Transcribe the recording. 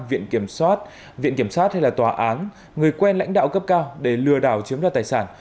viện kiểm soát viện kiểm sát hay là tòa án người quen lãnh đạo cấp cao để lừa đảo chiếm đoạt tài sản